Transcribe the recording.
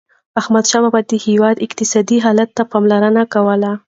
احمدشاه بابا د هیواد اقتصادي حالت ته پاملرنه کوله.